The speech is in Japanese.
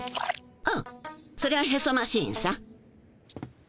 ああそれはヘソマシーンさ。